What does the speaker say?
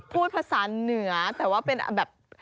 พูดภาษาเหนือแต่ว่าเป็นแบบ